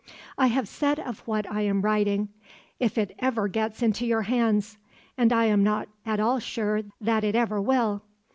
"I have said of what I am writing, 'if it ever gets into your hands,' and I am not at all sure that it ever will.